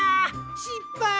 しっぱい！